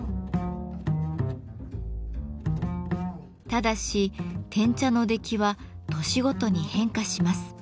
ただし碾茶の出来は年ごとに変化します。